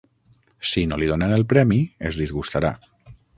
Si no li donen el premi es disgustarà.